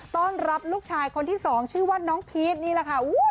ต้อนรับลูกชายคนที่สองชื่อว่าน้องพีชนี่แหละค่ะ